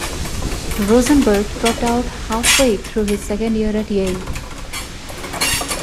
Rosenberg dropped out halfway through his second year at Yale.